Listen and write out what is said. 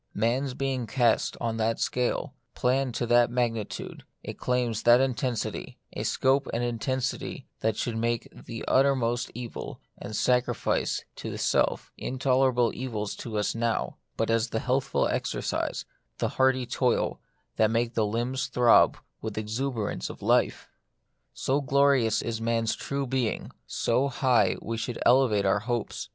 Man's being is cast on that scale, planned to that magnitude ; it claims that intensity : a scope and an intensity that should make the utter most evil and sacrifice to the self — intolerable evils to us now — but as the healthful exercise, the hearty toil, that make the limbs throb with exuberance of life. 54 The Mystery of Pain, So glorious is man's true being ; so high we should elevate our hopes.